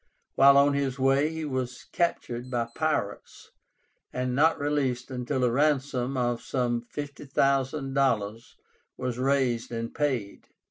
While on his way he was captured by pirates, and not released until a ransom of some $50,000 was raised and paid.